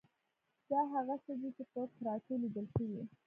دا هغه څه دي چې په کراتو لیدل شوي.